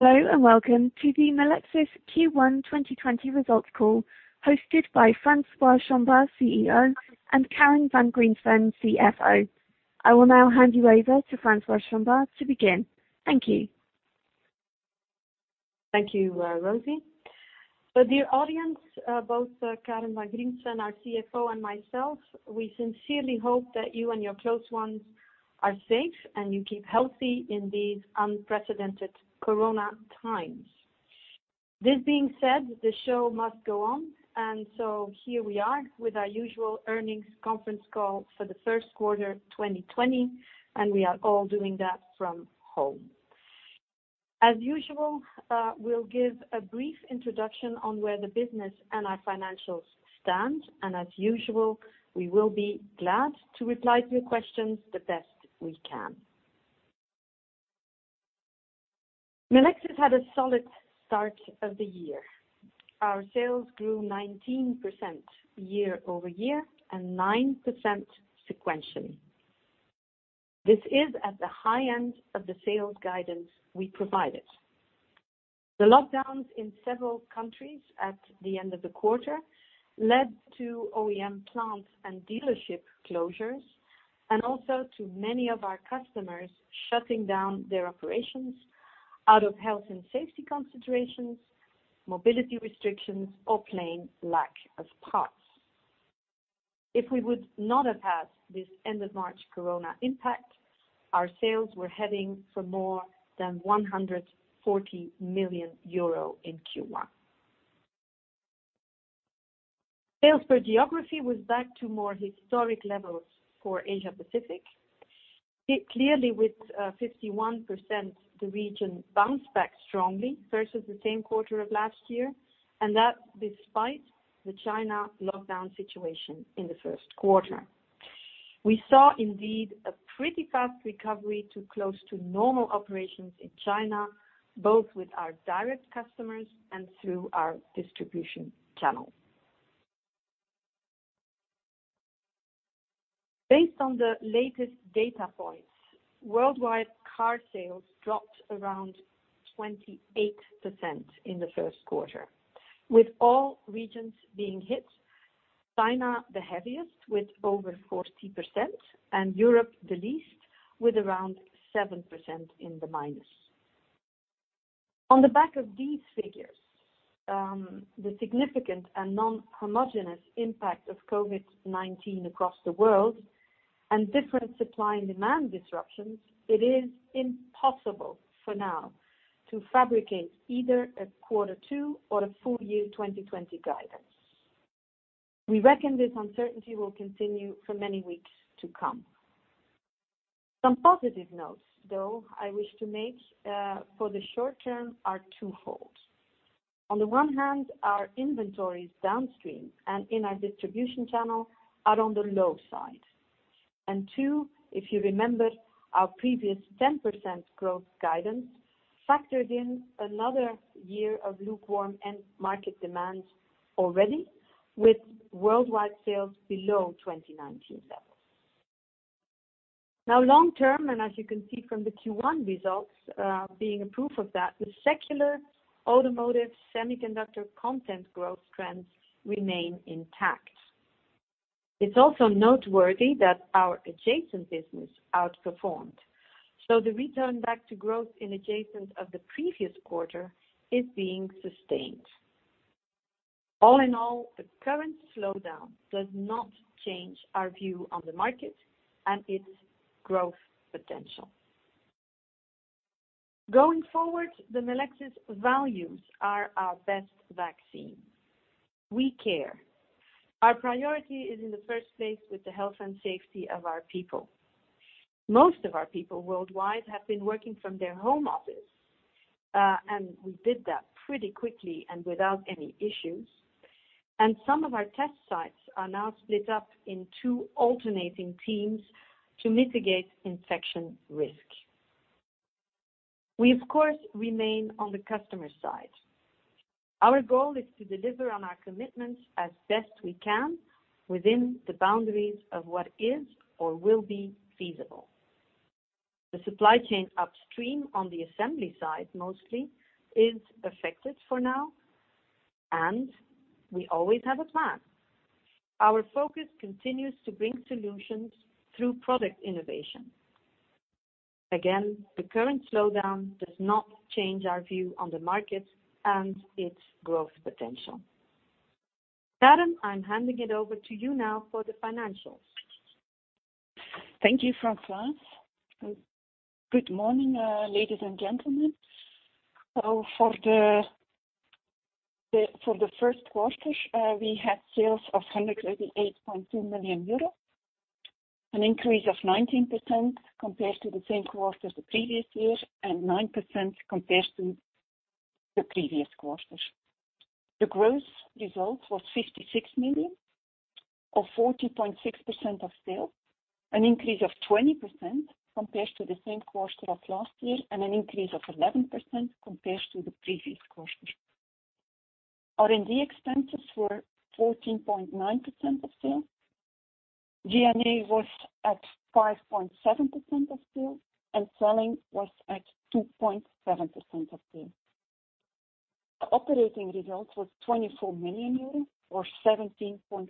Hello, and welcome to the Melexis Q1 2020 results call, hosted by Françoise Chombar, CEO, and Karen van Griensven, CFO. I will now hand you over to Françoise Chombar to begin. Thank you. Thank you, Rosie. Dear audience, both Karen van Griensven, our CFO, and myself, we sincerely hope that you and your close ones are safe and you keep healthy in these unprecedented Corona times. This being said, the show must go on. Here we are with our usual earnings conference call for the first quarter 2020. We are all doing that from home. As usual, we'll give a brief introduction on where the business and our financials stand. As usual, we will be glad to reply to your questions the best we can. Melexis had a solid start of the year. Our sales grew 19% year-over-year and 9% sequentially. This is at the high end of the sales guidance we provided. The lockdowns in several countries at the end of the quarter led to OEM plants and dealership closures, and also to many of our customers shutting down their operations out of health and safety considerations, mobility restrictions, or plain lack of parts. If we would not have had this end of March Corona impact, our sales were heading for more than 140 million euro in Q1. Sales per geography was back to more historic levels for Asia Pacific. Clearly with 51%, the region bounced back strongly versus the same quarter of last year, and that despite the China lockdown situation in the first quarter. We saw indeed a pretty fast recovery to close to normal operations in China, both with our direct customers and through our distribution channel. Based on the latest data points, worldwide car sales dropped around 28% in the first quarter, with all regions being hit, China the heaviest with over 40%, and Europe the least with around 7% in the minus. On the back of these figures, the significant and non-homogeneous impact of COVID-19 across the world and different supply and demand disruptions, it is impossible for now to fabricate either a quarter two or a full year 2020 guidance. We reckon this uncertainty will continue for many weeks to come. Some positive notes, though, I wish to make for the short term are two folds. On the one hand, our inventories downstream and in our distribution channel are on the low side. Two, if you remember our previous 10% growth guidance factored in another year of lukewarm end market demands already, with worldwide sales below 2019 levels. Long-term, and as you can see from the Q1 results, being a proof of that, the secular automotive semiconductor content growth trends remain intact. It's also noteworthy that our adjacent business outperformed. The return back to growth in adjacent of the previous quarter is being sustained. All in all, the current slowdown does not change our view on the market and its growth potential. Going forward, the Melexis values are our best vaccine. We care. Our priority is in the first place with the health and safety of our people. Most of our people worldwide have been working from their home office, and we did that pretty quickly and without any issues. Some of our test sites are now split up in two alternating teams to mitigate infection risk. We, of course, remain on the customer side. Our goal is to deliver on our commitments as best we can within the boundaries of what is or will be feasible. The supply chain upstream on the assembly side, mostly, is affected for now, and we always have a plan. Our focus continues to bring solutions through product innovation. Again, the current slowdown does not change our view on the market and its growth potential. Karen, I'm handing it over to you now for the financials. Thank you, Françoise. Good morning, ladies and gentlemen. For the first quarter, we had sales of 138.2 million euro, an increase of 19% compared to the same quarter the previous year and 9% compared to the previous quarter. The gross results was 56 million or 40.6% of sales, an increase of 20% compared to the same quarter of last year and an increase of 11% compared to the previous quarter. R&D expenses were 14.9% of sales, G&A was at 5.7% of sales, and selling was at 2.7% of sales. The operating result was 24 million euros or 17.4%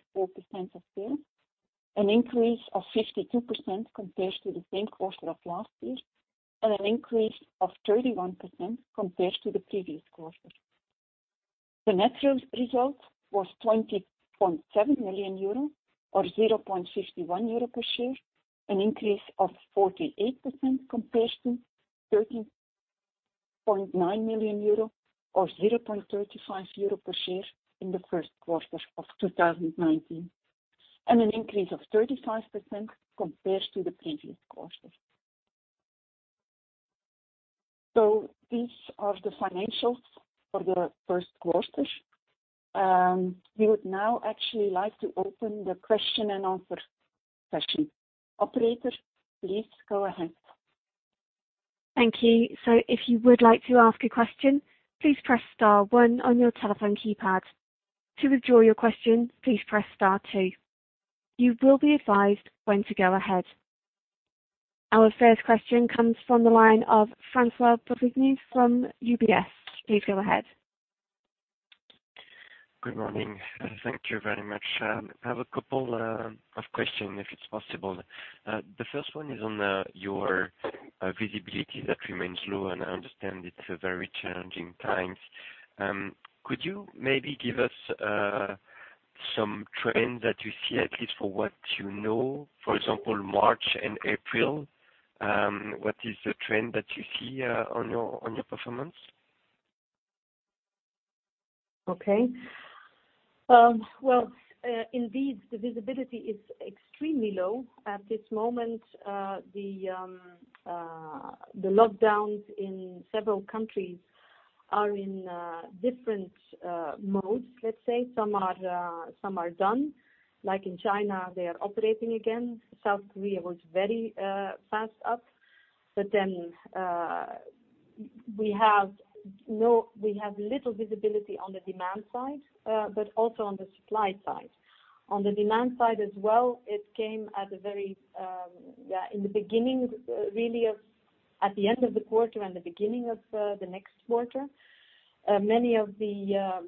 of sales, an increase of 52% compared to the same quarter of last year and an increase of 31% compared to the previous quarter. The net sales result was 20.7 million euro or 0.51 euro per share, an increase of 48% compared to 13.9 million euro or 0.35 euro per share in the first quarter of 2019, and an increase of 35% compared to the previous quarter. These are the financials for the first quarter. We would now actually like to open the question-and-answer session. Operator, please go ahead. Thank you. If you would like to ask a question, please press star one on your telephone keypad. To withdraw your question, please press star two. You will be advised when to go ahead. Our first question comes from the line of François Bouvignies from UBS. Please go ahead. Good morning. Thank you very much. I have a couple of questions if it's possible. The first one is on your visibility that remains low, and I understand it's a very challenging time. Could you maybe give us some trends that you see, at least for what you know? For example, March and April, what is the trend that you see on your performance? Okay. Well, indeed the visibility is extremely low at this moment. The lockdowns in several countries are in different modes, let's say. Some are done, like in China, they are operating again. South Korea was very fast up. We have little visibility on the demand side, but also on the supply side. On the demand side as well, it came in the beginning, really at the end of the quarter and the beginning of the next quarter. Many of the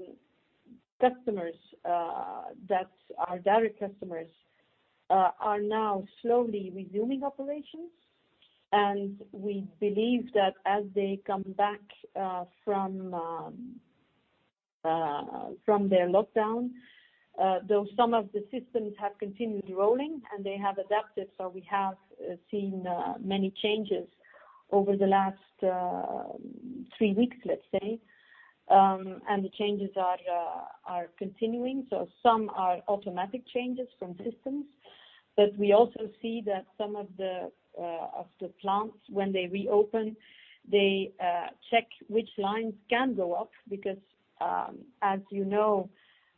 customers that are direct customers are now slowly resuming operations, and we believe that as they come back from their lockdown, though some of the systems have continued rolling and they have adapted, so we have seen many changes over the last three weeks, let's say, and the changes are continuing. Some are automatic changes from systems, but we also see that some of the plants, when they reopen, they check which lines can go up because, as you know,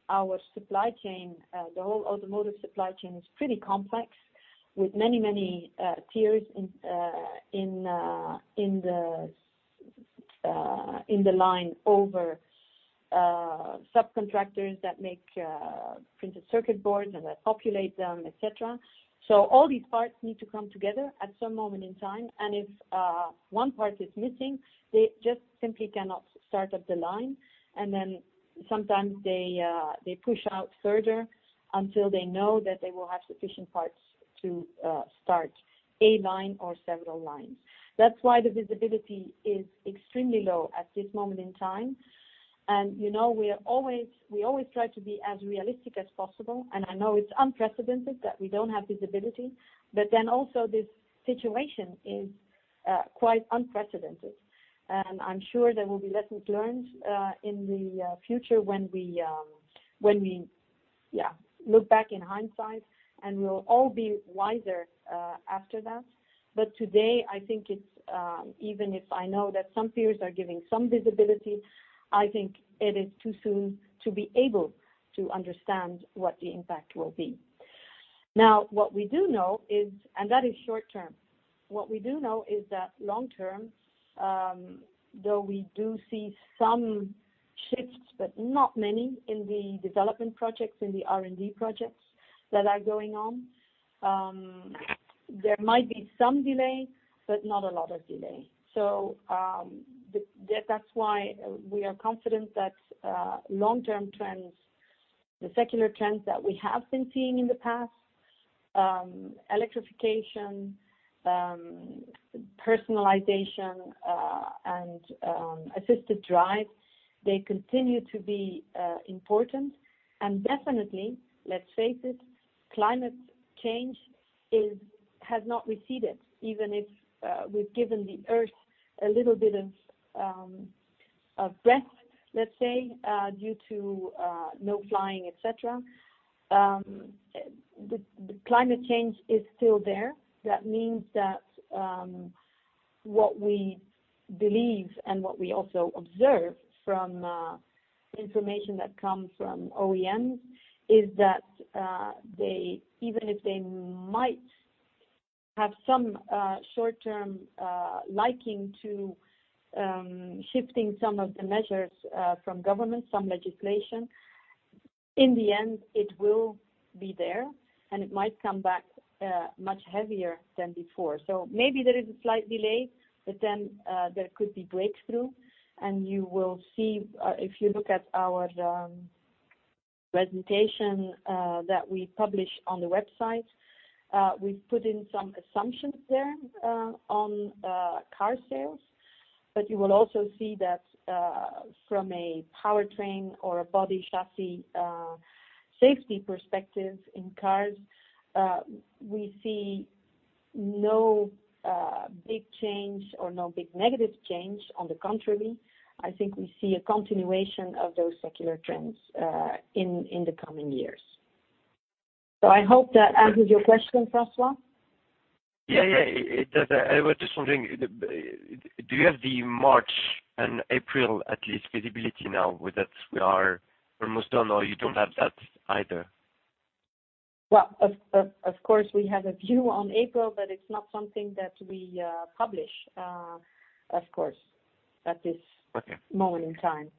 our supply chain, the whole automotive supply chain is pretty complex with many tiers in the line over subcontractors that make printed circuit boards and that populate them, et cetera. All these parts need to come together at some moment in time, and if one part is missing, they just simply cannot start up the line. Sometimes they push out further until they know that they will have sufficient parts to start a line or several lines. That's why the visibility is extremely low at this moment in time. We always try to be as realistic as possible, and I know it's unprecedented that we don't have visibility, also this situation is quite unprecedented. I'm sure there will be lessons learned in the future when we look back in hindsight, and we'll all be wiser after that. Today, even if I know that some peers are giving some visibility, I think it is too soon to be able to understand what the impact will be. What we do know is, and that is short-term. What we do know is that long-term, though we do see some shifts, but not many in the development projects, in the R&D projects that are going on. There might be some delay, but not a lot of delay. That's why we are confident that long-term trends, the secular trends that we have been seeing in the past, electrification, personalization and assisted driving, they continue to be important. Definitely, let's face it, climate change has not receded, even if we've given the Earth a little bit of a breath, let's say, due to no flying, et cetera. The climate change is still there. That means that what we believe and what we also observe from information that comes from OEMs is that even if they might have some short-term liking to shifting some of the measures from government, some legislation. In the end, it will be there, and it might come back much heavier than before. Maybe there is a slight delay, but then there could be breakthrough. You will see if you look at our presentation that we publish on the website. We've put in some assumptions there on car sales, but you will also see that from a powertrain or a body chassis safety perspective in cars, we see no big change or no big negative change. On the contrary, I think we see a continuation of those secular trends in the coming years. I hope that answers your question, Françoise. Yeah. I was just wondering, do you have the March and April at least visibility now, with that we are almost done, or you don't have that either? Well, of course, we have a view on April, but it's not something that we publish, of course, at this moment in time.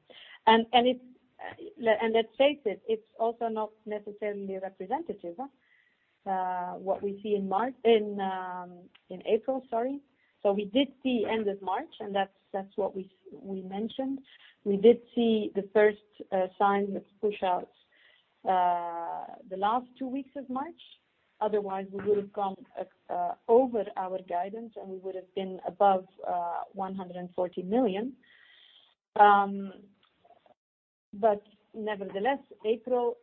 Let's face it's also not necessarily representative, what we see in April. We did see end of March, and that's what we mentioned. We did see the first signs that push out the last two weeks of March. Otherwise, we would have gone over our guidance, and we would've been above 140 million. Nevertheless, April,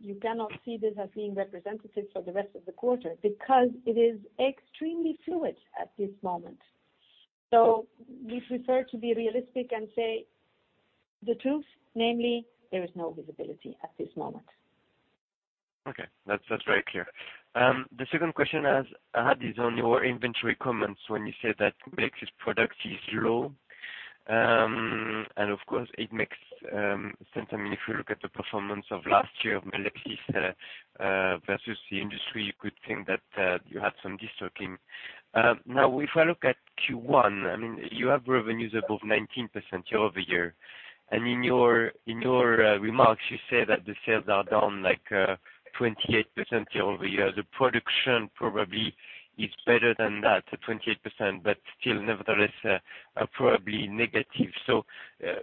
you cannot see this as being representative for the rest of the quarter because it is extremely fluid at this moment. We prefer to be realistic and say the truth, namely, there is no visibility at this moment. Okay. That's very clear. The second question I had is on your inventory comments when you said that Melexis product is low. Of course, it makes sense. I mean, if you look at the performance of last year of Melexis versus the industry, you could think that you had some destocking. If I look at Q1, you have revenues above 19% year-over-year. In your remarks, you say that the sales are down like 28% year-over-year. The production probably is better than that, 28%, but still, nevertheless, are probably negative.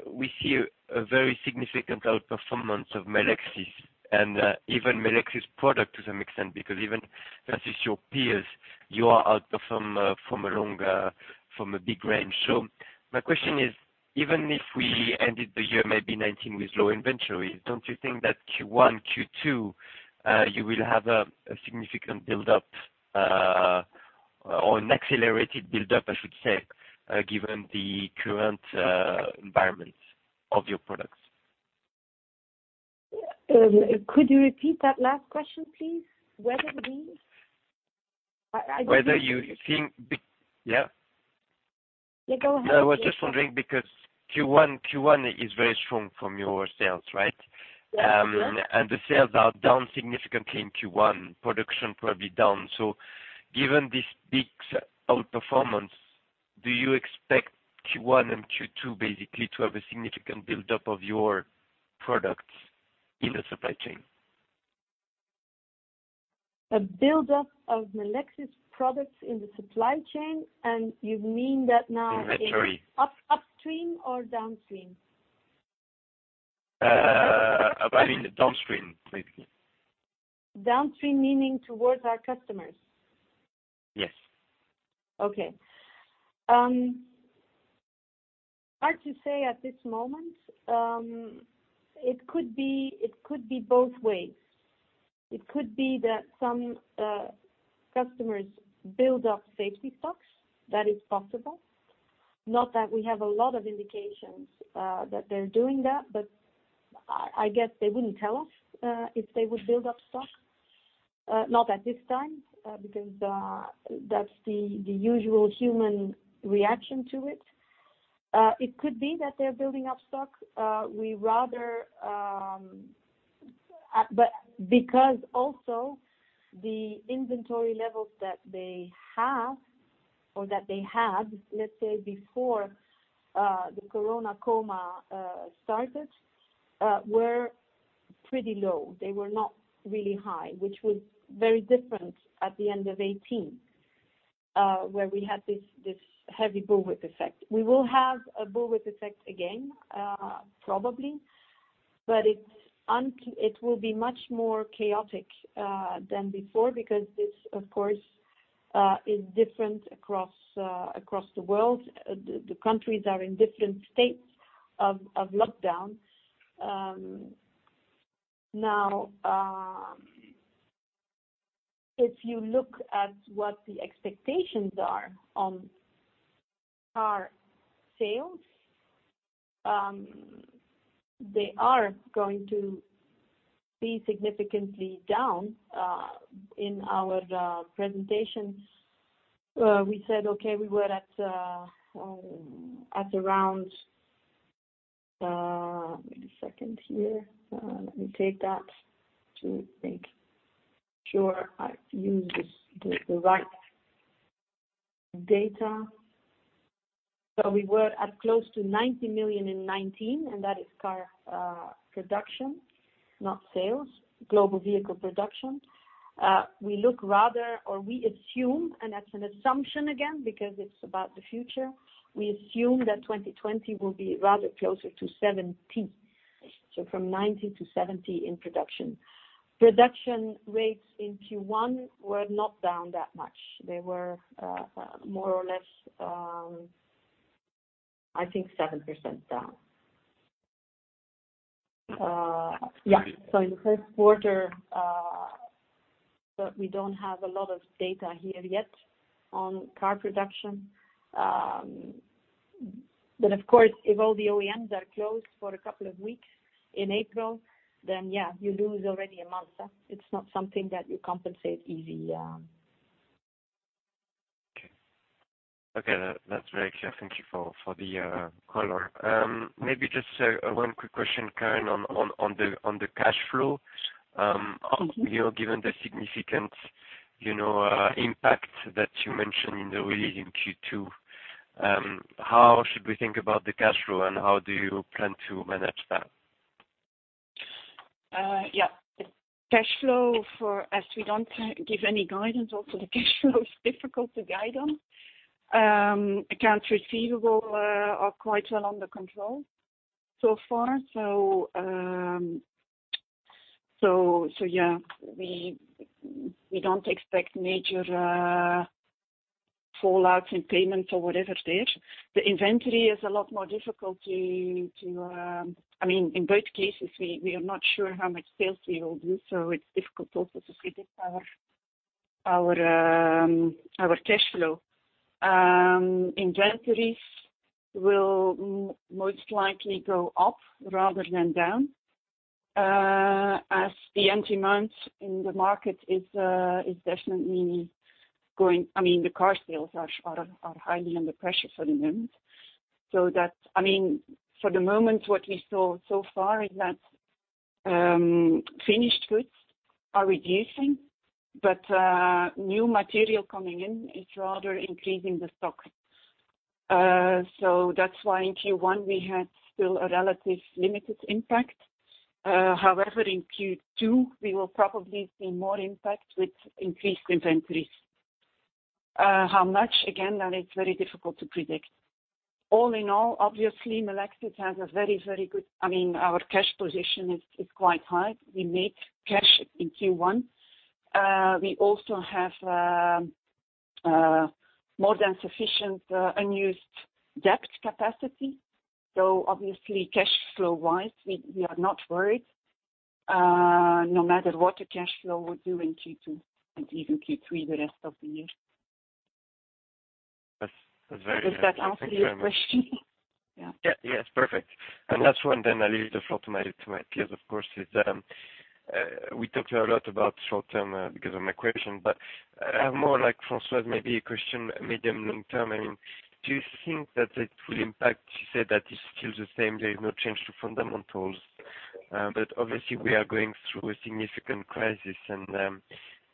We see a very significant outperformance of Melexis and even Melexis product to some extent, because even versus your peers, you are outperforming from a big range. My question is, even if we ended the year maybe 2019 with low inventories, don't you think that Q1, Q2, you will have a significant build-up or an accelerated build-up, I should say, given the current environment of your products? Could you repeat that last question, please? Yeah. Yeah, go ahead. Sorry. I was just wondering, because Q1 is very strong from your sales, right? Yes. The sales are down significantly in Q1, production probably down. Given this big outperformance, do you expect Q1 and Q2 basically to have a significant build-up of your products in the supply chain? A build-up of Melexis products in the supply chain, and you mean that now in– Inventory Upstream or downstream? I mean downstream, basically. Downstream meaning towards our customers? Yes. Okay. Hard to say at this moment. It could be both ways. It could be that some customers build up safety stocks. That is possible. Not that we have a lot of indications that they're doing that, but I guess they wouldn't tell us, if they would build up stock. Not at this time, because that's the usual human reaction to it. It could be that they're building up stock. Because also the inventory levels that they have or that they had, let's say, before the corona coma started, were pretty low. They were not really high, which was very different at the end of 2018, where we had this heavy bullwhip effect. We will have a bullwhip effect again, probably, but it will be much more chaotic than before because this, of course, is different across the world. The countries are in different states of lockdown. If you look at what the expectations are on our sales, they are going to be significantly down. In our presentation, we said, we were at around. Wait a second here. Let me take that to make sure I use the right data. We were at close to 90 million in 2019, and that is car production, not sales, global vehicle production. We look rather, or we assume, and that's an assumption again, because it's about the future, we assume that 2020 will be rather closer to 70 million. From 90 million to 70 million in production. Production rates in Q1 were not down that much. They were more or less, I think 7% down. Yeah. In the first quarter, we don't have a lot of data here yet on car production. Of course, if all the OEMs are closed for a couple of weeks in April, then, yeah, you lose already a month. It's not something that you compensate easy. Okay. That's very clear. Thank you for the color. Maybe just one quick question, Karen, on the cash flow. Given the significant impact that you mentioned in the release in Q2, how should we think about the cash flow, and how do you plan to manage that? Yeah. As we don't give any guidance, also the cash flow is difficult to guide on. Accounts receivable are quite well under control so far. Yeah, we don't expect major fallouts in payments or whatever there. The inventory is a lot more difficult. In both cases, we are not sure how much sales we will do, so it's difficult also to predict our cash flow. Inventories will most likely go up rather than down. As the empty months in the market is definitely going—I mean, the car sales are highly under pressure for the moment. For the moment, what we saw so far is that finished goods are reducing, but new material coming in is rather increasing the stock. That's why in Q1, we had still a relatively limited impact. However, in Q2, we will probably see more impact with increased inventories. How much? That is very difficult to predict. All in all, obviously, Melexis has a very good—I mean, our cash position is quite high. We make cash in Q1. We also have more than sufficient unused debt capacity. Obviously, cash flow-wise, we are not worried, no matter what the cash flow will do in Q2, and even Q3, the rest of the year. That's very— Does that answer your question? Yeah. Yes. Perfect. Last one, then I leave the floor to Matthias, of course. We talked a lot about short-term because of my question, but I have more like Françoise, maybe a question medium, long-term. Do you think that it will impact, you said that it's still the same, there is no change to fundamentals. Obviously, we are going through a significant crisis and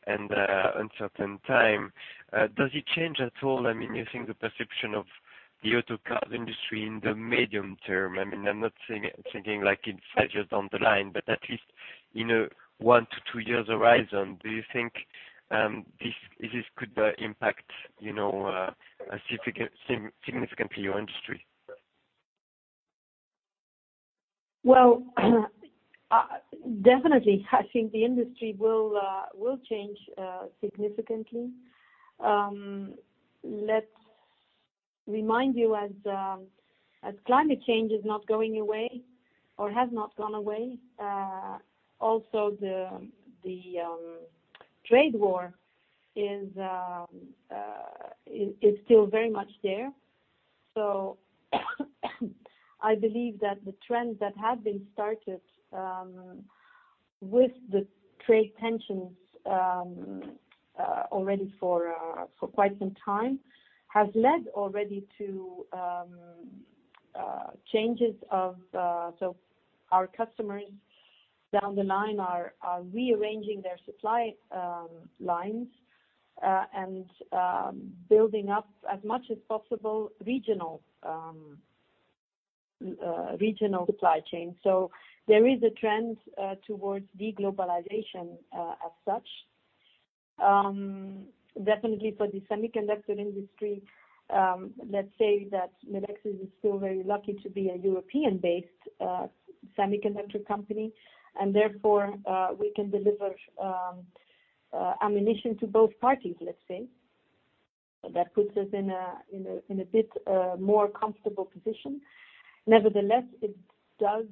uncertain time. Does it change at all? Do you think the perception of the auto car industry in the medium term, I'm not thinking like it's five years down the line, but at least in a one to two years horizon. Do you think this could impact significantly your industry? Well, definitely, I think the industry will change significantly. Let's remind you as climate change is not going away or has not gone away, also the trade war is still very much there. I believe that the trend that had been started with the trade tensions already for quite some time has led already to our customers down the line are rearranging their supply lines, and building up as much as possible regional supply chain. There is a trend towards de-globalization as such. Definitely for the semiconductor industry, let's say that Melexis is still very lucky to be a European-based semiconductor company, and therefore, we can deliver ammunition to both parties, let's say. That puts us in a bit more comfortable position. Nevertheless, it does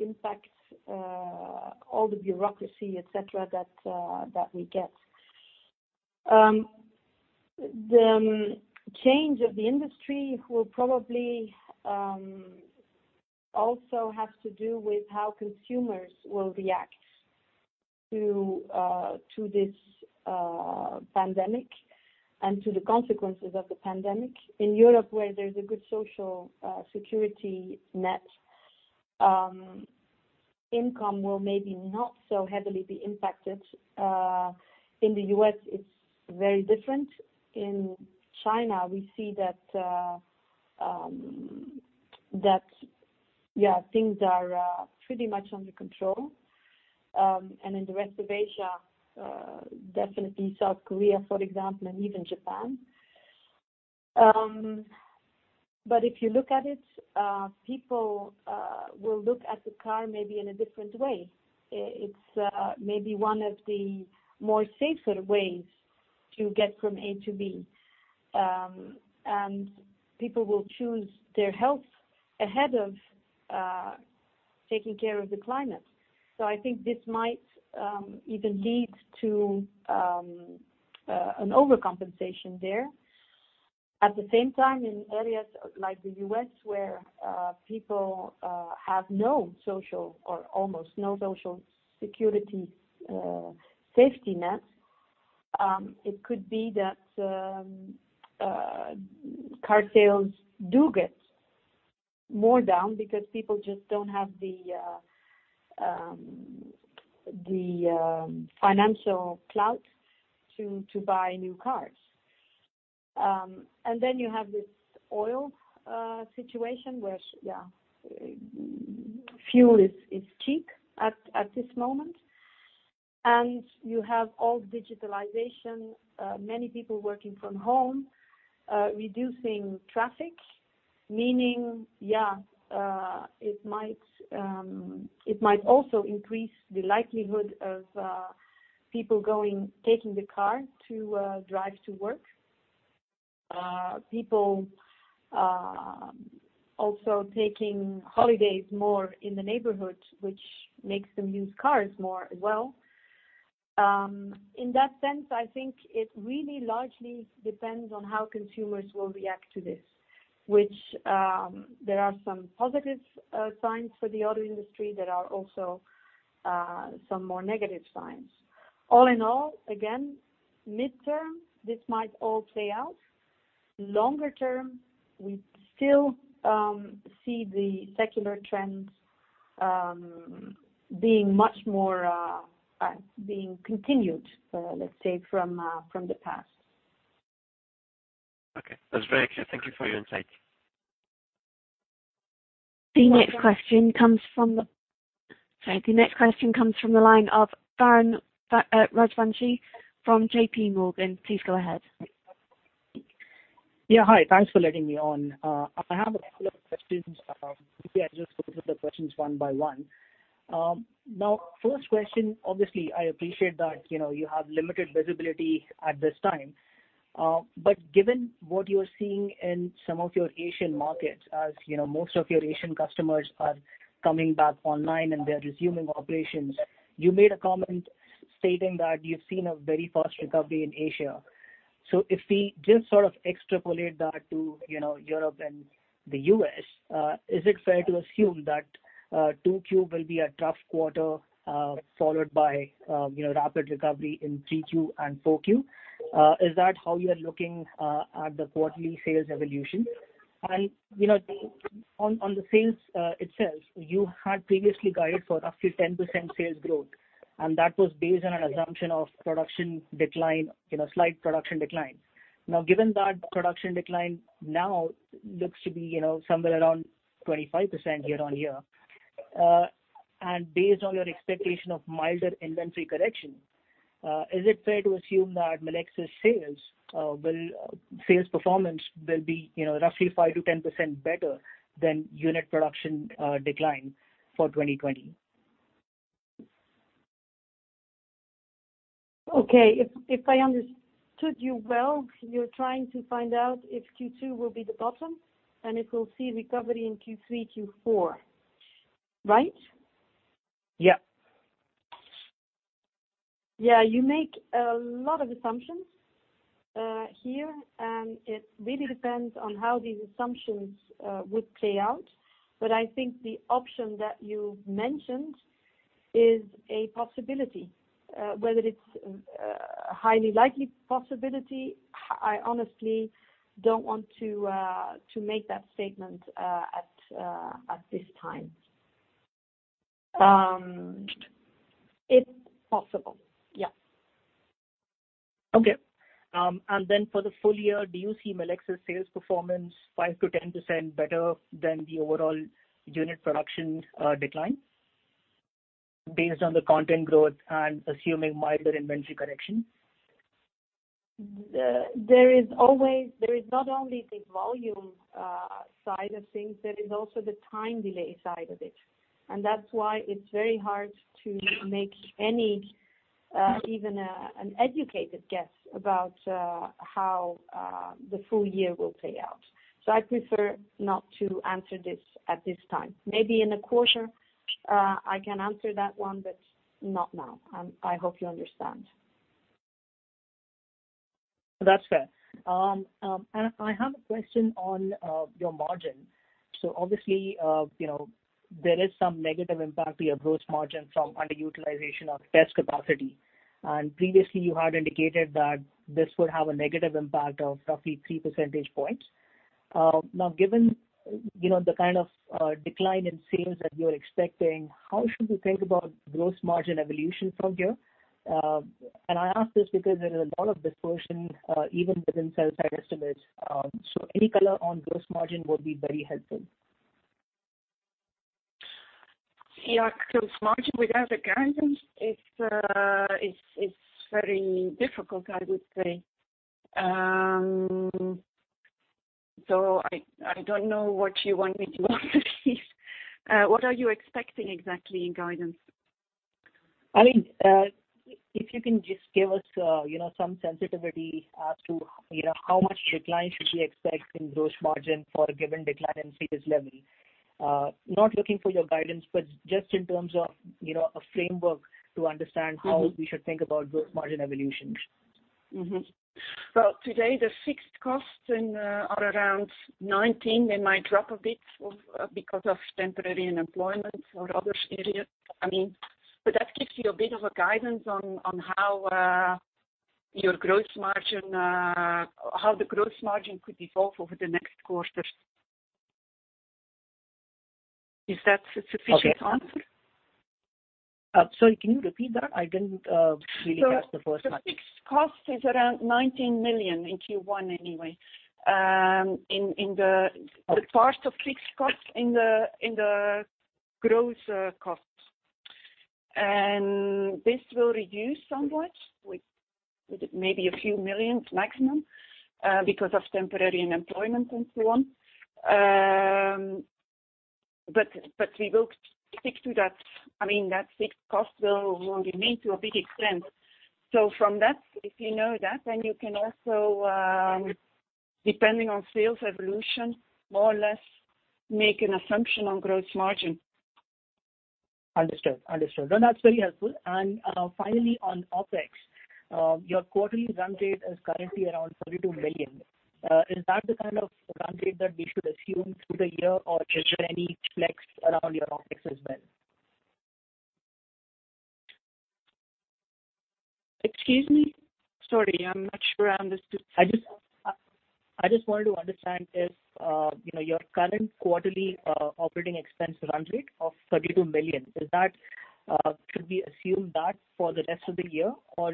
impact all the bureaucracy, et cetera, that we get. The change of the industry will probably also have to do with how consumers will react to this pandemic and to the consequences of the pandemic. In Europe where there's a good social security net, income will maybe not so heavily be impacted. In the U.S., it's very different. In China, we see that things are pretty much under control, and in the rest of Asia, definitely South Korea, for example, and even Japan. If you look at it, people will look at the car maybe in a different way. It's maybe one of the more safer ways to get from A to B, and people will choose their health ahead of taking care of the climate. I think this might even lead to an overcompensation there. At the same time, in areas like the U.S. where people have no social, or almost no social security safety net, it could be that car sales do get more down because people just don't have the financial clout to buy new cars. Then you have this oil situation where fuel is cheap at this moment, and you have all digitalization, many people working from home, reducing traffic, meaning it might also increase the likelihood of people taking the car to drive to work. People also taking holidays more in the neighborhood, which makes them use cars more as well. In that sense, I think it really largely depends on how consumers will react to this, which there are some positive signs for the auto industry. There are also some more negative signs. All in all, again, midterm, this might all play out. Longer term, we still see the secular trends being continued, let's say, from the past. Okay. That's very clear. Thank you for your insight. The next question comes from the line of Varun Rajwanshi from JPMorgan. Please go ahead. Yeah. Hi. Thanks for letting me on. I have a couple of questions. Maybe I just go through the questions one by one. First question, obviously, I appreciate that you have limited visibility at this time. Given what you're seeing in some of your Asian markets, as most of your Asian customers are coming back online and they're resuming operations, you made a comment stating that you've seen a very fast recovery in Asia. If we just extrapolate that to Europe and the U.S., is it fair to assume that 2Q will be a tough quarter, followed by rapid recovery in 3Q and 4Q? Is that how you are looking at the quarterly sales evolution? On the sales itself, you had previously guided for roughly 10% sales growth, and that was based on an assumption of slight production decline. Now, given that production decline now looks to be somewhere around 25% year on year, and based on your expectation of milder inventory correction, is it fair to assume that Melexis sales performance will be roughly 5%-10% better than unit production decline for 2020? Okay. If I understood you well, you're trying to find out if Q2 will be the bottom and if we'll see recovery in Q3, Q4, right? Yeah. Yeah, you make a lot of assumptions here, and it really depends on how these assumptions would play out. I think the option that you mentioned is a possibility. Whether it's a highly likely possibility, I honestly don't want to make that statement at this time. It's possible. Yeah. Okay. For the full year, do you see Melexis sales performance 5%-10% better than the overall unit production decline based on the content growth and assuming milder inventory correction? There is not only the volume side of things, there is also the time delay side of it. That's why it's very hard to make any, even an educated guess about how the full year will play out. I prefer not to answer this at this time. Maybe in a quarter, I can answer that one, but not now. I hope you understand. That's fair. I have a question on your margin. Obviously, there is some negative impact to your gross margin from underutilization of test capacity. Previously you had indicated that this would have a negative impact of roughly 3 percentage points. Given the kind of decline in sales that you're expecting, how should we think about gross margin evolution from here? I ask this because there is a lot of dispersion even within sell-side estimates. Any color on gross margin would be very helpful. Yeah. Gross margin without a guidance is very difficult, I would say. I don't know what you want me to answer here. What are you expecting exactly in guidance? I think, if you can just give us some sensitivity as to how much decline should we expect in gross margin for a given decline in sales level. Not looking for your guidance, but just in terms of a framework to understand how we should think about gross margin evolutions. Well, today the fixed costs are around 19. They might drop a bit because of temporary unemployment or other areas. That gives you a bit of a guidance on how the gross margin could evolve over the next quarters. Is that a sufficient answer? Sorry, can you repeat that? I didn't really catch the first part. The fixed cost is around 19 million in Q1 anyway. The part of fixed cost in the gross cost. This will reduce somewhat with maybe a few millions maximum, because of temporary unemployment and so on. We will stick to that. That fixed cost will remain to a big extent. From that, if you know that, then you can also, depending on sales evolution, more or less make an assumption on gross margin. Understood. No, that's very helpful. Finally, on OpEx, your quarterly run rate is currently around 32 million. Is that the kind of run rate that we should assume through the year or is there any flex around your OpEx as well? Excuse me? Sorry, I'm not sure I understood. I just wanted to understand if your current quarterly operating expense run rate of 32 million, should we assume that for the rest of the year or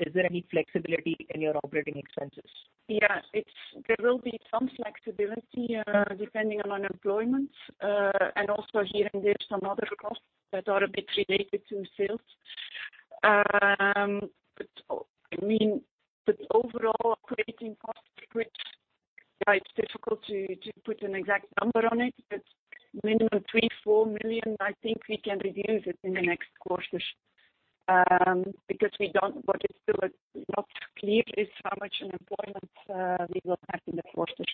is there any flexibility in your operating expenses? There will be some flexibility depending on unemployment, and also here and there, some other costs that are a bit related to sales. Overall OpEx, it's difficult to put an exact number on it, but minimum 3 million-4 million, I think we can reduce it in the next quarters. What is still not clear is how much unemployment we will have in the quarter.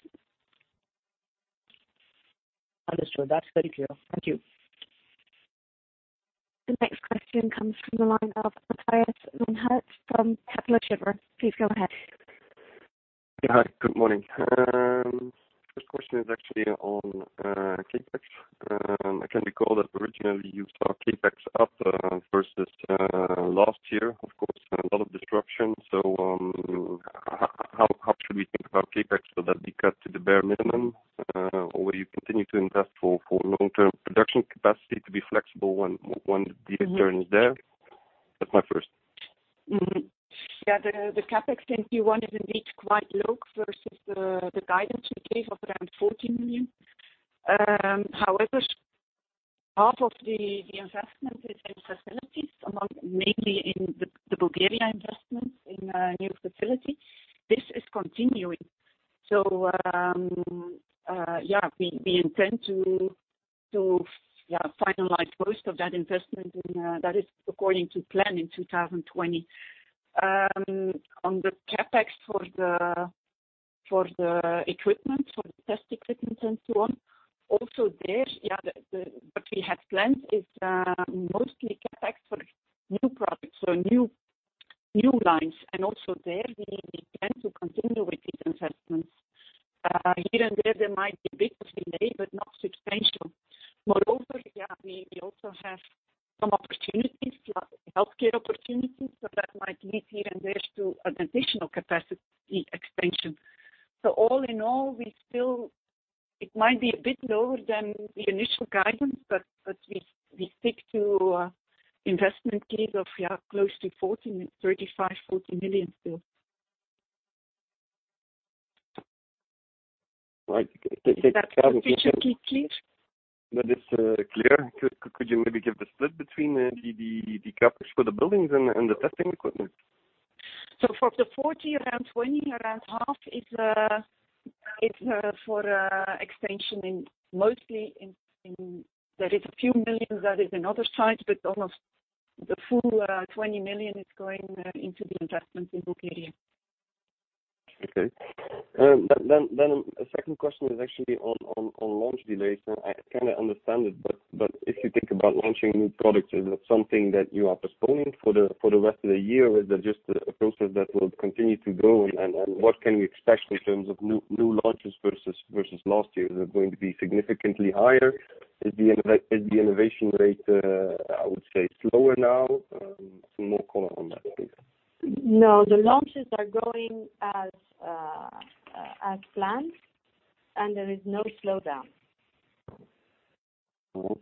Understood. That's very clear. Thank you. The next question comes from the line of Matthias Maenhaut from Kepler Cheuvreux. Please go ahead. Yeah. Good morning. First question is actually on CapEx. I can recall that originally you saw CapEx up versus last year. Of course, a lot of disruption. How should we think about CapEx? Will that be cut to the bare minimum? Will you continue to invest for long-term production capacity to be flexible once the demand is there? That's my first. The CapEx in Q1 is indeed quite low versus the guidance we gave of around 40 million. However, half of the investment is in facilities, mainly in the Bulgaria investment in a new facility. This is continuing. We intend to finalize most of that investment, that is according to plan in 2020. On the CapEx for the test equipment and so on, also there, what we had planned is mostly CapEx for new products, so new lines, and also there we intend to continue with these investments. Here and there, they might be a bit delayed, but not substantial. We also have some healthcare opportunities, that might lead here and there to an additional capacity expansion. All in all, it might be a bit lower than the initial guidance, but we stick to investment case of close to 35 million-40 million still. Right. That picture clear? That is clear. Could you maybe give the split between the CapEx for the buildings and the testing equipment? For the 40 million, around 20 million, around half is for expansion mostly in. There is a few millions that is in other sites, but almost the full 20 million is going into the investment in Bulgaria. Okay. A second question is actually on launch delays. I kind of understand it, but if you think about launching new products, is it something that you are postponing for the rest of the year? Is that just a process that will continue to go and what can we expect in terms of new launches versus last year? Is it going to be significantly higher? Is the innovation rate, I would say, slower now? Some more color on that, please. No, the launches are going as planned and there is no slowdown. All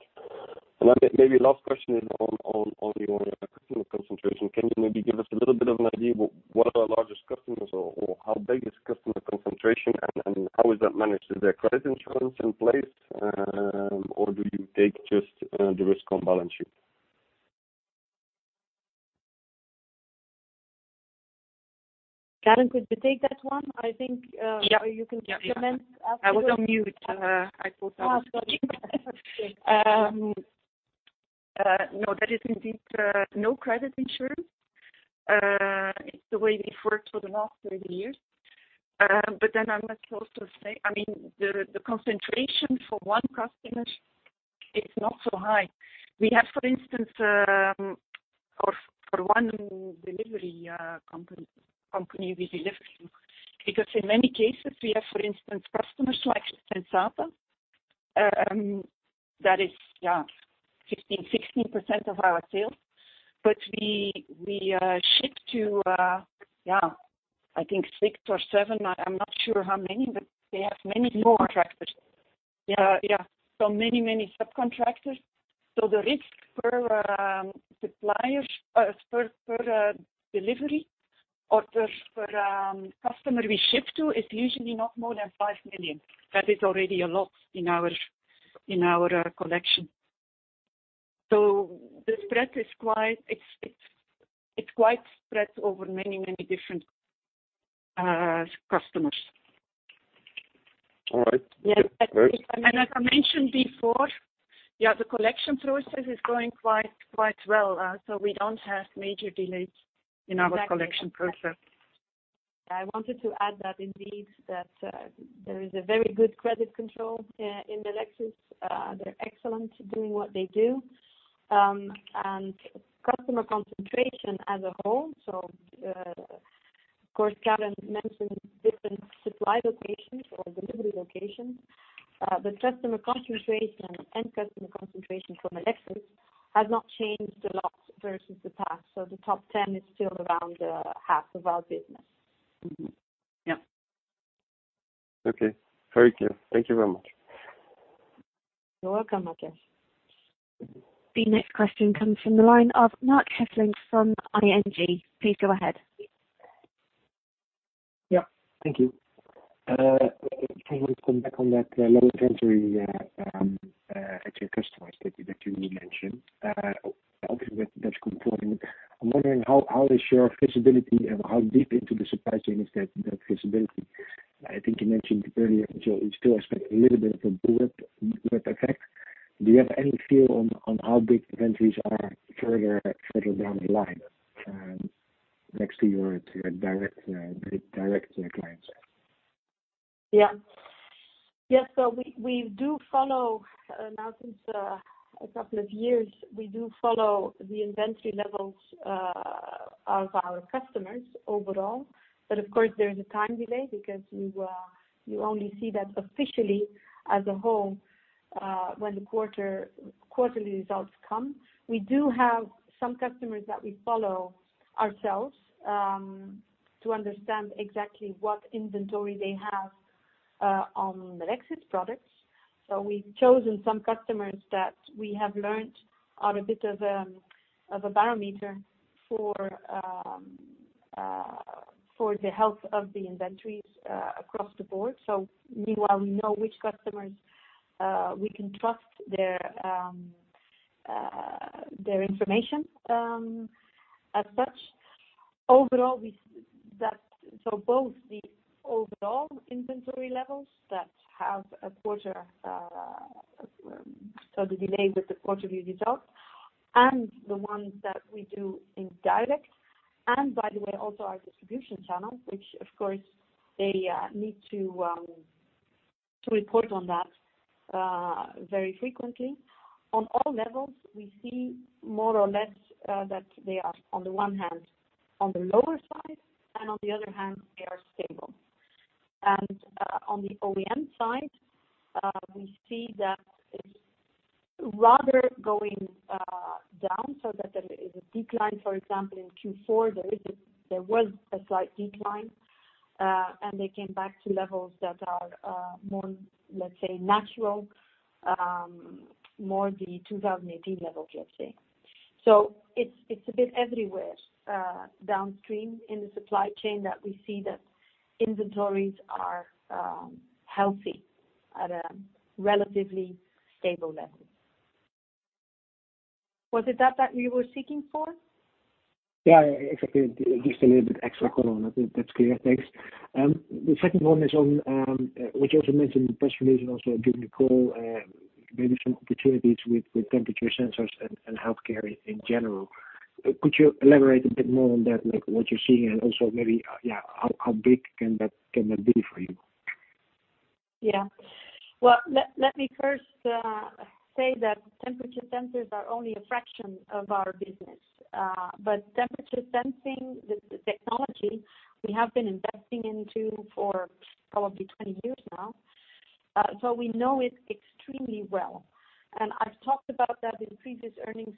right. Maybe last question is on your customer concentration. Can you maybe give us a little bit of an idea what are the largest customers or how big is customer concentration and how is that managed? Is there credit insurance in place or do you take just the risk on balance sheet? Karen, could you take that one? I think you can comment afterwards. I was on mute. I thought I was talking. Sorry. There is indeed no credit insurance. It's the way we've worked for the last 30 years. I must also say, the concentration for one customer is not so high. We have, for instance for one delivery company we deliver to, because in many cases, we have, for instance, customers like Sensata that is 15, 16% of our sales, but we ship to, I think six or seven. I'm not sure how many, but they have many subcontractors. Many subcontractors. The risk per delivery or per customer we ship to is usually not more than 5 million. That is already a lot in our collection. The spread is quite spread over many different customers. All right. As I mentioned before, the collection process is going quite well. We don't have major delays in our collection process. I wanted to add that indeed, that there is a very good credit control in Melexis. They're excellent doing what they do. Customer concentration as a whole, so of course, Karen mentioned different supply locations or delivery locations. The customer concentration and customer concentration for Melexis has not changed a lot versus the past. The top 10 is still around half of our business. Yep. Okay. Very clear. Thank you very much. You're welcome, Matthias. The next question comes from the line of Marc Hesselink from ING. Please go ahead. Yeah. Thank you. I want to come back on that low inventory, actually customer inventory that you mentioned. Obviously, that's comforting. I'm wondering how is your visibility and how deep into the supply chain is that visibility? I think you mentioned earlier, you still expect a little bit of a whip effect. Do you have any feel on how big inventories are further down the line next to your direct clients? Yeah. We do follow now since a couple of years, we do follow the inventory levels of our customers overall. Of course, there is a time delay because you only see that officially as a whole when the quarterly results come. We do have some customers that we follow ourselves, to understand exactly what inventory they have on Melexis products. We've chosen some customers that we have learned are a bit of a barometer for the health of the inventories across the board. Meanwhile, we know which customers we can trust their information as such. Both the overall inventory levels that have a quarter, so the delay with the quarterly results and the ones that we do indirect, and by the way, also our distribution channels, which of course they need to report on that very frequently. On all levels, we see more or less that they are on the one hand, on the lower side, and on the other hand, they are stable. On the OEM side, we see that it's rather going down so that there is a decline, for example, in Q4, there was a slight decline, and they came back to levels that are more, let's say, natural, more the 2018 level, let's say. It's a bit everywhere downstream in the supply chain that we see that inventories are healthy at a relatively stable level. Was it that that you were seeking for? Yeah, exactly. Just a little bit extra color on it. That's clear. Thanks. The second one is on, which you also mentioned in the press release and also during the call. Maybe some opportunities with temperature sensors and healthcare in general. Could you elaborate a bit more on that, like what you're seeing and also maybe, yeah, how big can that be for you? Well, let me first say that temperature sensors are only a fraction of our business. Temperature sensing, the technology we have been investing into for probably 20 years now. We know it extremely well. I've talked about that in previous earnings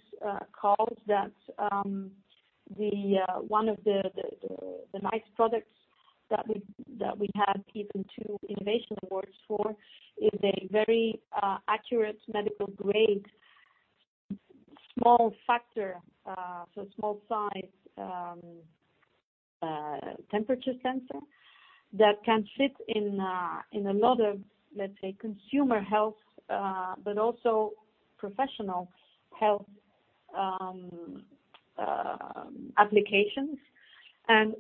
calls that one of the nice products that we have given two innovation awards for is a very accurate medical-grade small factor, so small size temperature sensor that can fit in a lot of, let's say, consumer health, but also professional health applications.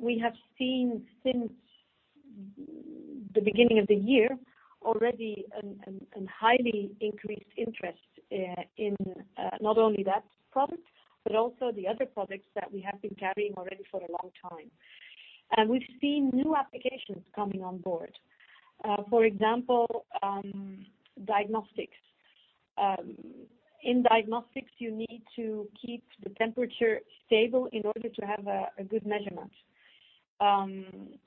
We have seen since the beginning of the year already a highly increased interest in not only that product, but also the other products that we have been carrying already for a long time. We've seen new applications coming on board. For example, diagnostics. In diagnostics, you need to keep the temperature stable in order to have a good measurement.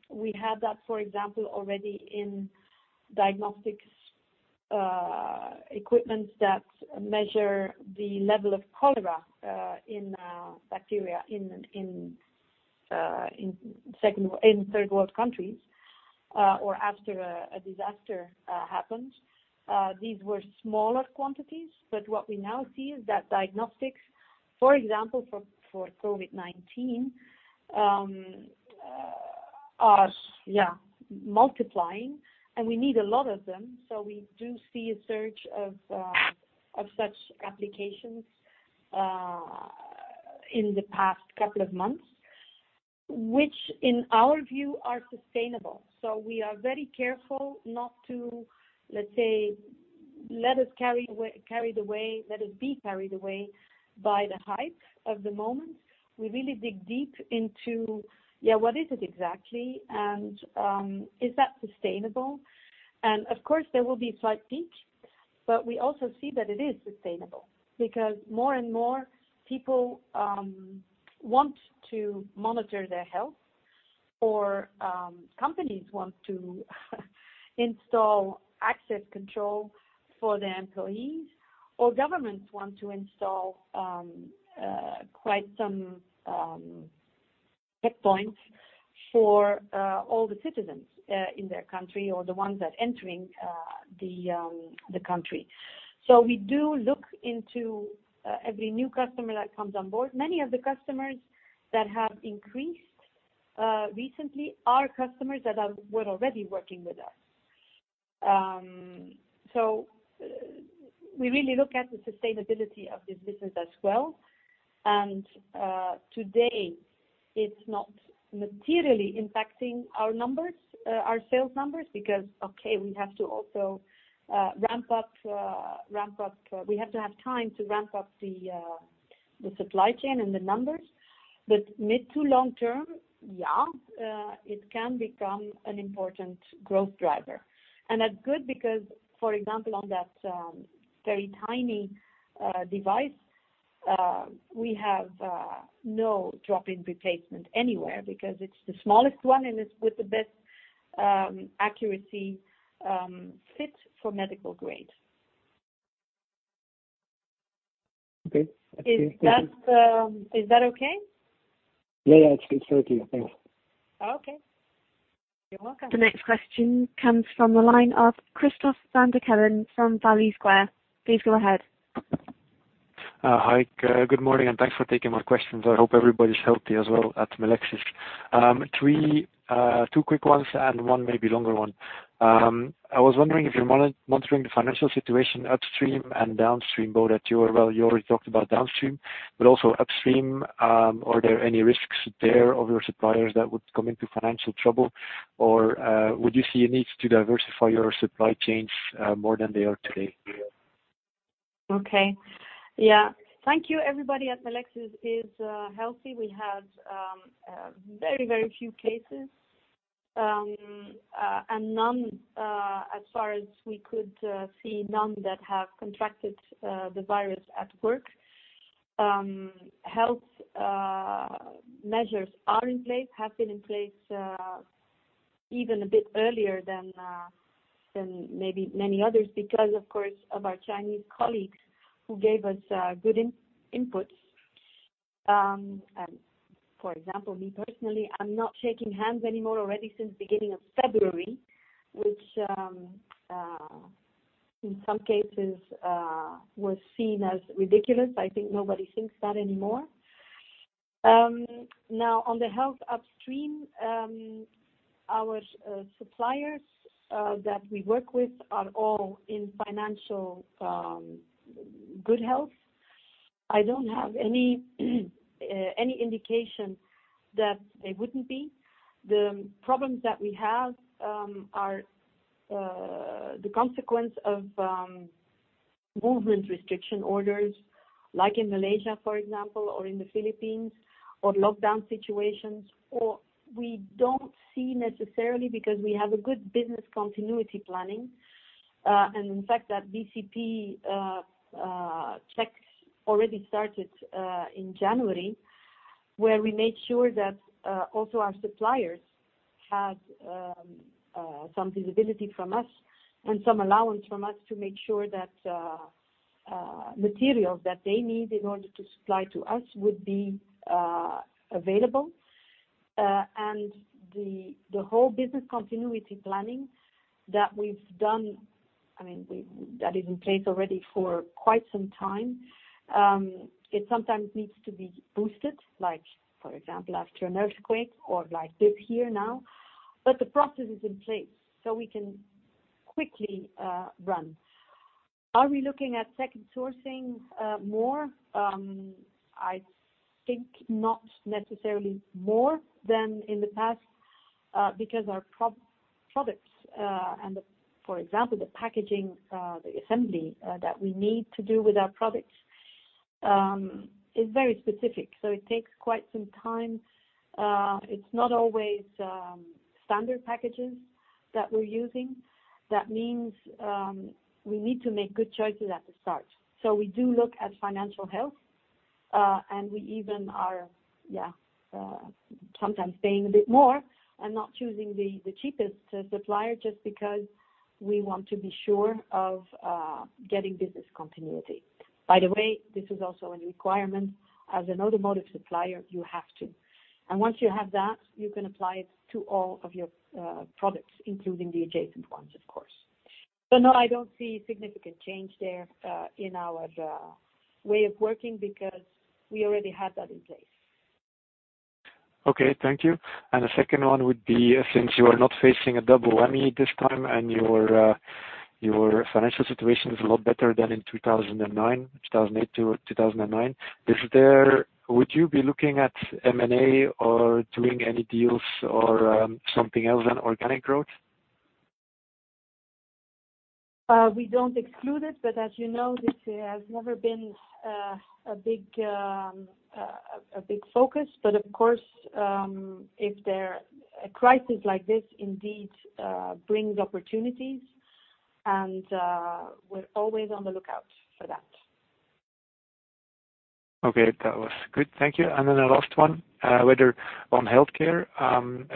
We had that, for example, already in diagnostics equipment that measure the level of cholera in bacteria in third world countries or after a disaster happens. What we now see is that diagnostics, for example, for COVID-19 are multiplying, and we need a lot of them. We do see a surge of such applications in the past couple of months, which in our view are sustainable. We are very careful not to, let's say, let us be carried away by the hype of the moment. We really dig deep into, yeah, what is it exactly, and is that sustainable? Of course, there will be a slight peak, but we also see that it is sustainable because more and more people want to monitor their health, or companies want to install access control for their employees, or governments want to install quite some checkpoints for all the citizens in their country or the ones that are entering the country. We do look into every new customer that comes on board. Many of the customers that have increased recently are customers that were already working with us. We really look at the sustainability of this business as well. Today it's not materially impacting our sales numbers because, okay, we have to have time to ramp up the supply chain and the numbers. Mid to long term, yeah, it can become an important growth driver. That's good because, for example, on that very tiny device, we have no drop-in replacement anywhere because it's the smallest one and it's with the best accuracy fit for medical grade. Okay. Is that okay? Yeah, it's good. Very clear. Thanks. Okay. You're welcome. The next question comes from the line of Christophe Van der Kelen from Value Square. Please go ahead. Hi. Good morning, and thanks for taking my questions. I hope everybody's healthy as well at Melexis. Two quick ones and one maybe longer one. I was wondering if you're monitoring the financial situation upstream and downstream, both at your level, you already talked about downstream, but also upstream. Are there any risks there of your suppliers that would come into financial trouble? Would you see a need to diversify your supply chains more than they are today? Okay. Yeah. Thank you. Everybody at Melexis is healthy. We had very few cases, and none, as far as we could see, none that have contracted the virus at work. Health measures are in place, have been in place even a bit earlier than maybe many others because, of course, of our Chinese colleagues who gave us good inputs. For example, me personally, I'm not shaking hands anymore already since beginning of February, which in some cases, was seen as ridiculous. I think nobody thinks that anymore. On the health upstream, our suppliers that we work with are all in financial good health. I don't have any indication that they wouldn't be. The problems that we have are the consequence of movement restriction orders like in Malaysia, for example, or in the Philippines or lockdown situations. We don't see necessarily because we have a good business continuity planning. In fact, that BCP checks already started in January, where we made sure that also our suppliers had some visibility from us and some allowance from us to make sure that materials that they need in order to supply to us would be available. The whole business continuity planning that we've done, that is in place already for quite some time. It sometimes needs to be boosted, like for example, after an earthquake or like this here now, but the process is in place so we can quickly run. Are we looking at second sourcing more? I think not necessarily more than in the past, because our products, and for example, the packaging, the assembly that we need to do with our products, is very specific. So, it takes quite some time. It's not always standard packages that we're using. That means we need to make good choices at the start. We do look at financial health, and we even are sometimes paying a bit more and not choosing the cheapest supplier just because we want to be sure of getting business continuity. By the way, this is also a requirement as an automotive supplier, you have to. Once you have that, you can apply it to all of your products, including the adjacent ones, of course. No, I don't see significant change there in our way of working because we already had that in place. Okay, thank you. The second one would be, since you are not facing a double whammy this time and your financial situation is a lot better than in 2009, 2008 to 2009, would you be looking at M&A or doing any deals or something else than organic growth? We don't exclude it, but as you know, this has never been a big focus. Of course, if a crisis like this indeed brings opportunities, and we're always on the lookout for that. Okay. That was good. Thank you. The last one, whether on healthcare,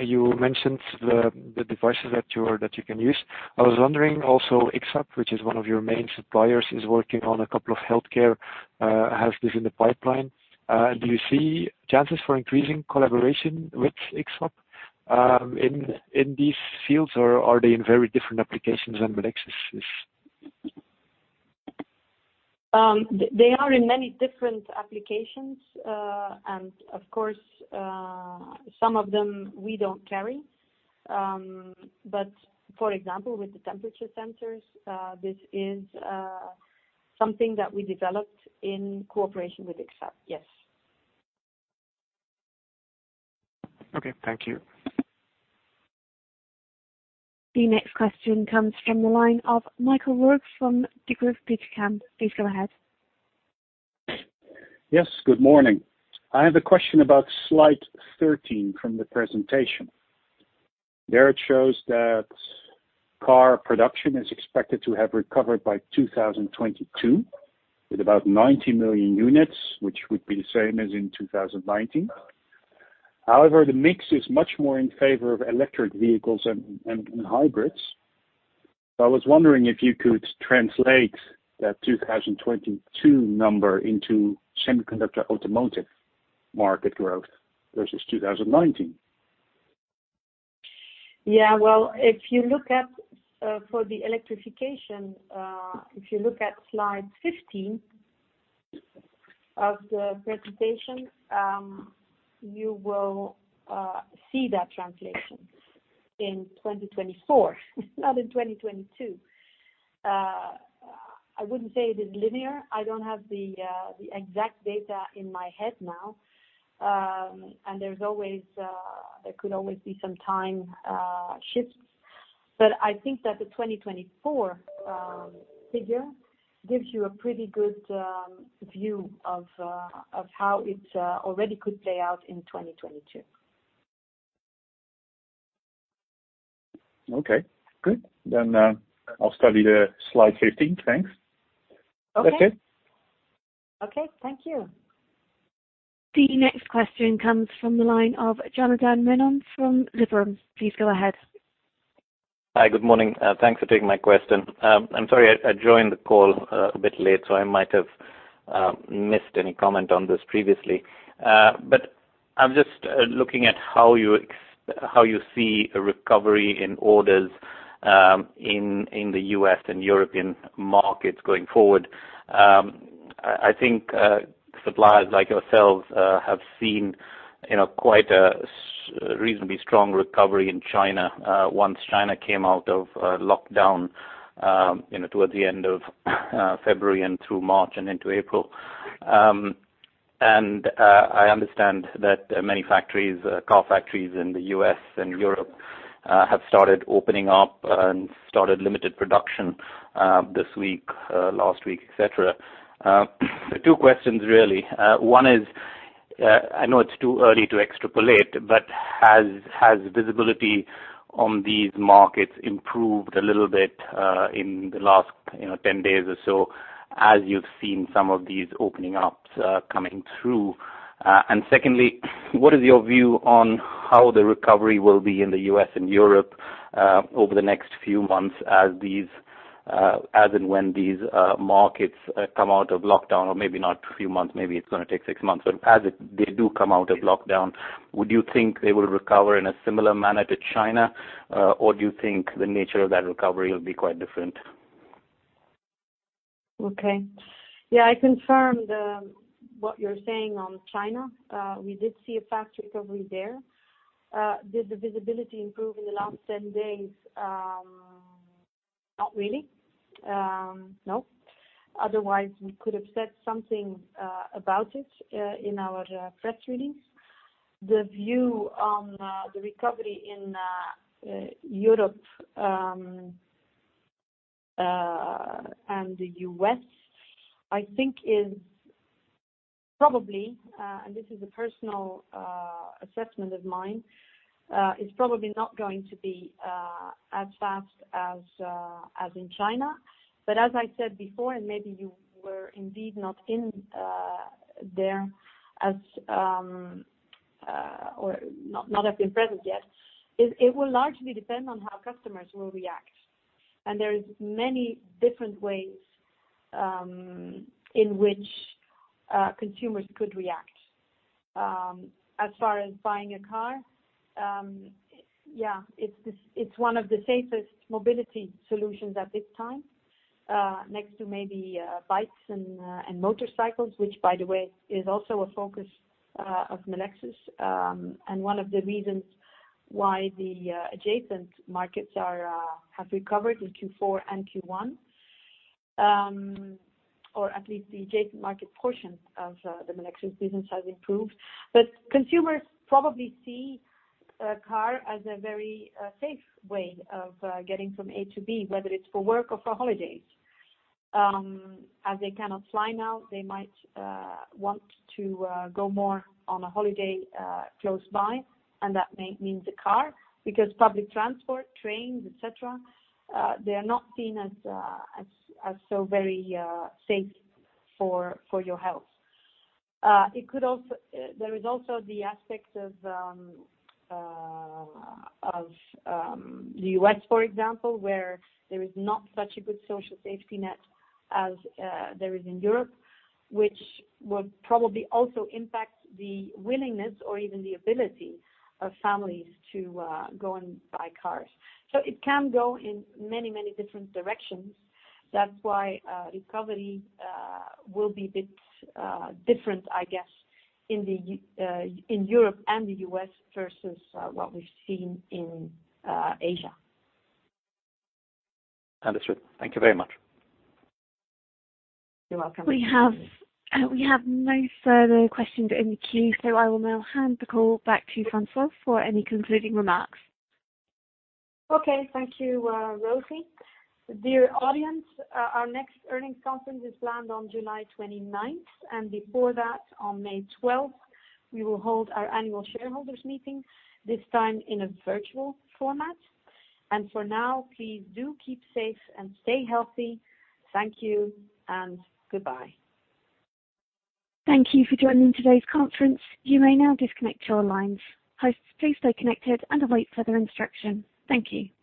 you mentioned the devices that you can use. I was wondering also, X-FAB, which is one of your main suppliers, is working on a couple of healthcare, has this in the pipeline. Do you see chances for increasing collaboration with X-FAB in these fields, or are they in very different applications than Melexis is? They are in many different applications. Of course, some of them we don't carry. For example, with the temperature sensors, this is something that we developed in cooperation with X-FAB, yes. Okay, thank you. The next question comes from the line of Michael Roeg from Degroof Petercam. Please go ahead. Yes, good morning. I have a question about slide 13 from the presentation. There it shows that car production is expected to have recovered by 2022 with about 90 million units, which would be the same as in 2019. However, the mix is much more in favor of electric vehicles than hybrids. I was wondering if you could translate that 2022 number into semiconductor automotive market growth versus 2019. Well, for the electrification, if you look at slide 15 of the presentation, you will see that translation in 2024, not in 2022. I wouldn't say it is linear. I don't have the exact data in my head now. There could always be some time shifts. But I think that the 2024 figure gives you a pretty good view of how it already could play out in 2022. Okay, good. I'll study the slide 15. Thanks. Okay. That's it. Okay, thank you. The next question comes from the line of Janardan Menon from Liberum. Please go ahead. Hi, good morning. Thanks for taking my question. I'm sorry, I joined the call a bit late, so I might have missed any comment on this previously. I'm just looking at how you see a recovery in orders in the U.S. and European markets going forward. I think suppliers like yourselves have seen quite a reasonably strong recovery in China once China came out of lockdown towards the end of February and through March and into April. I understand that many factories, car factories in the U.S. and Europe, have started opening up and started limited production this week, last week, et cetera. Two questions, really. One is, I know it's too early to extrapolate, but has visibility on these markets improved a little bit, in the last 10 days or so, as you've seen some of these opening ups coming through? Secondly, what is your view on how the recovery will be in the U.S. and Europe, over the next few months as and when these markets come out of lockdown? Maybe not a few months, maybe it's going to take six months, but as they do come out of lockdown, would you think they will recover in a similar manner to China? Do you think the nature of that recovery will be quite different? Okay. Yeah, I confirm what you're saying on China. We did see a fast recovery there. Did the visibility improve in the last 10 days? Not really. No. Otherwise we could have said something about it in our press release. The view on the recovery in Europe and the U.S. I think is probably, and this is a personal assessment of mine, is probably not going to be as fast as in China. As I said before, and maybe you were indeed not in there or not have been present yet, it will largely depend on how customers will react. There's many different ways in which consumers could react. As far as buying a car, yeah, it's one of the safest mobility solutions at this time, next to maybe bikes and motorcycles, which by the way, is also a focus of Melexis. One of the reasons why the adjacent markets have recovered in Q4 and Q1. At least the adjacent market portion of the Melexis business has improved. Consumers probably see a car as a very safe way of getting from A to B, whether it's for work or for holidays. As they cannot fly now, they might want to go more on a holiday close by, and that may mean the car, because public transport, trains, et cetera, they are not seen as so very safe for your health. There is also the aspect of the U.S., for example, where there is not such a good social safety net as there is in Europe, which will probably also impact the willingness or even the ability of families to go and buy cars. It can go in many different directions. That's why recovery will be a bit different, I guess, in Europe and the U.S. versus what we've seen in Asia. Understood. Thank you very much. You're welcome. We have no further questions in the queue. I will now hand the call back to Françoise for any concluding remarks. Okay. Thank you, Rosie. Dear audience, our next earnings conference is planned on July 29th. Before that, on May 12th, we will hold our annual shareholders meeting, this time in a virtual format. For now, please do keep safe and stay healthy. Thank you and goodbye. Thank you for joining today's conference. You may now disconnect your lines. Hosts, please stay connected and await further instruction. Thank you.